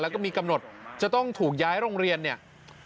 แล้วก็มีกำหนดจะต้องถูกย้ายโรงเรียนเนี่ย